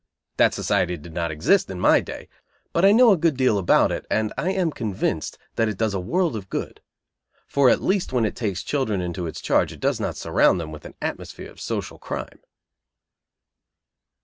That Society did not exist in my day; but I know a good deal about it, and I am convinced that it does a world of good; for, at least, when it takes children into its charge it does not surround them with an atmosphere of social crime.